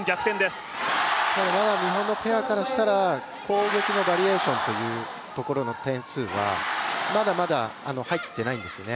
まだ日本のペアからしたら攻撃のバリエーションというところの点数はまだまだ入っていないんですね。